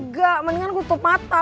enggak mendingan gue tutup mata